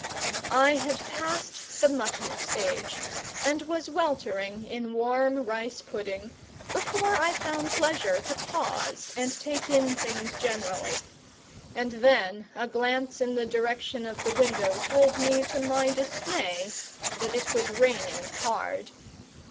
I had passed the mutton stage and was weltering in warm rice pudding, before I found leisure to pause and take in things generally; and then a glance in the direction of the window told me, to my dismay, that it was raining hard.